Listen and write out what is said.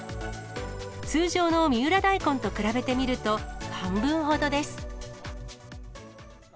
通常の三浦大根と比べてみると、半分ほどです。